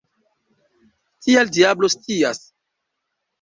Tial diablo scias!